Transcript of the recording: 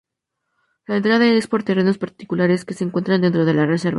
La entrada es por terrenos particulares que se encuentran dentro de la Reserva.